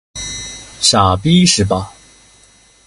傻逼是吧？